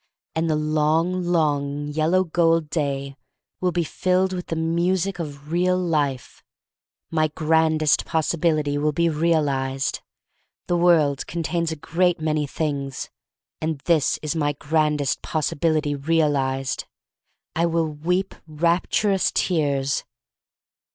And the long, long yellow gold day will be filled with the music of Real Life. My grandest possibility will be real ized. The world contains a great many things — and this is my grandest pos sibility realized! I will weep rapturous tears.